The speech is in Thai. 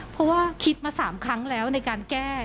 เพราะว่าคิดมา๓ครั้งแล้วในการแก้